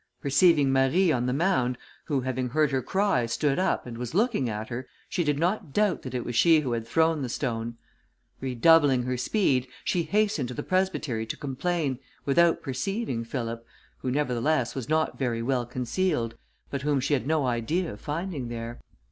Perceiving Marie on the mound, who, having heard her cry, stood up, and was looking at her, she did not doubt that it was she who had thrown the stone. Redoubling her speed, she hastened to the presbytery to complain, without perceiving Philip, who, nevertheless, was not very well concealed, but whom she had no idea of finding there.